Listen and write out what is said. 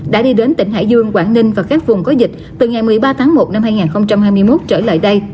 đã đi đến tỉnh hải dương quảng ninh và các vùng có dịch từ ngày một mươi ba tháng một năm hai nghìn hai mươi một trở lại đây